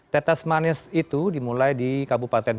tetes manis itu dimulai di kabupaten